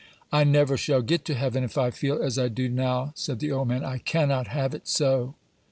'" "I never shall get to heaven if I feel as I do now," said the old man. "I cannot have it so."